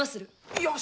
よし！